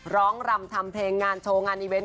รำทำเพลงงานโชว์งานอีเวนต